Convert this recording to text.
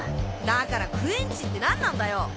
だからクエンチって何なんだよ！